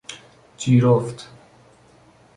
جیرفت